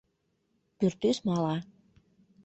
Пӱртӱс мала».